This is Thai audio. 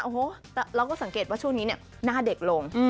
โอ้โฮแต่เราก็สังเกตว่าช่วงนี้หน้าเด็กลง